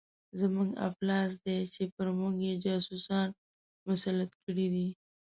زموږ افلاس دی چې پر موږ یې جاسوسان مسلط کړي دي.